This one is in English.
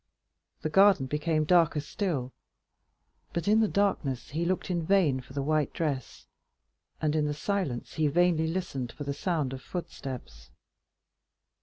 The garden became darker still, but in the darkness he looked in vain for the white dress, and in the silence he vainly listened for the sound of footsteps.